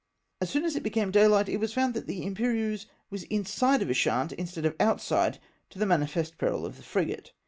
As soon as it became daylight, it was found that the Imperieuse was inside of Ushant, instead of outside, to the manifest peril of the frigate.